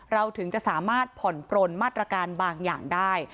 ถึงจะสามารถผ่อนปลนมาตรการบางอย่างได้